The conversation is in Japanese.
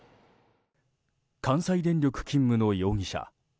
関西電力勤務の容疑者。